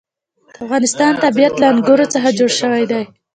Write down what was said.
د افغانستان طبیعت له انګور څخه جوړ شوی دی.